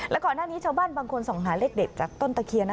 และก่อนหน้านี้ชาวบ้านบางคนส่องหาเลขเด็ดจากต้นตะเคียน